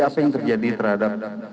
apa yang terjadi terhadap